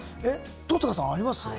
登坂さん、あります？